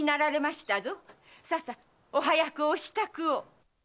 お早くお支度を。